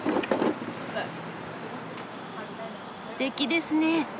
すてきですね。